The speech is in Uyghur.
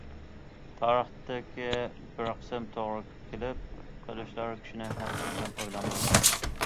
تارىختىكى بىر قىسىم توغرا كېلىپ قېلىشلار كىشىنى ھەقىقەتەن ئويلاندۇرىدۇ.